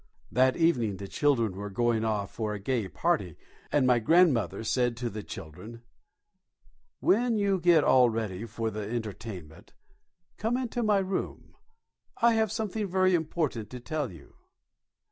That evening the children were going off for a gay party, and my grandmother said to the children, "When you get all ready for the entertainment, come into my room; I have something very important to tell you."